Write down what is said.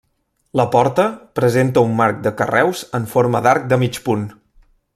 La porta, presenta un marc de carreus en forma d'arc de mig punt.